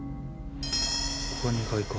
ここが２階か。